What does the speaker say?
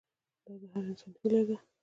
دا د هر انسان هیله ده.